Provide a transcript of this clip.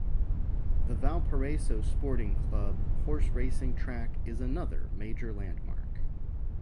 The Valparaiso Sporting Club horse racing track is another major landmark.